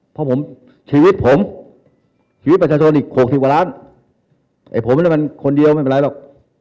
เพราะผมชีวิตผมชีวิตประชาชนอีก๖๑๐บาลล้านไอ้ผมไม่ได้เป็นคนเดียวไม่เป็นไรหรอก